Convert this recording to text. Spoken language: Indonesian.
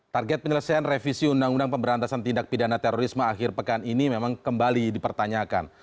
target penyelesaian revisi undang undang pemberantasan tindak pidana terorisme akhir pekan ini memang kembali dipertanyakan